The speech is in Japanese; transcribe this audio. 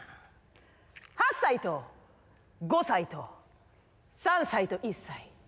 ８歳と５歳と３歳と１歳。